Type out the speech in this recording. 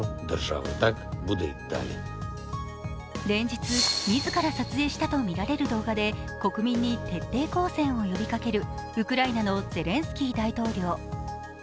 連日、自ら撮影したとみられる動画で国民に徹底抗戦を呼びかけるウクライナのゼレンスキー大統領。